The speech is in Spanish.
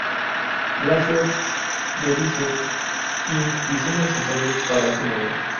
Laser-Devices, Inc diseña accesorios para este modelo.